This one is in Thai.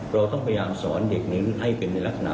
เราต้องพยายามสอนเด็กเน้นให้เป็นในลักษณะ